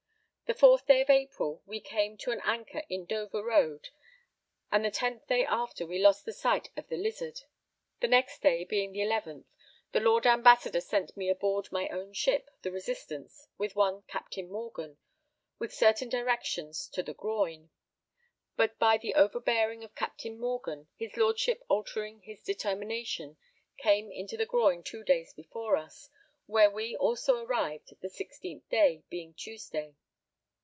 The 4th day of April we came to an anchor in _Dover Road, and the 10th day after we lost the sight of the Lizard. The next day, being the 11th, the Lord Ambassador sent me aboard my own ship, the Resistance, with one Captain Morgan, with certain directions, to the Groyne. But by the overbearing of Captain Morgan, his Lordship altering his determination came into the Groyne two days before us, where we also arrived the 16th day, being Tuesday.